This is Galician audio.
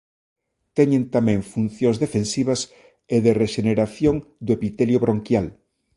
Teñen tamén funcións defensivas e de rexeneración do epitelio bronquial.